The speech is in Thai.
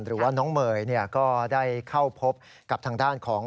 หรือว่าน้องเมย์ก็ได้เข้าพบกับทางด้านของ